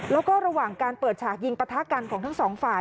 แล้วก็ระหว่างการเปิดฉากยิงปะทะกันของทั้งสองฝ่าย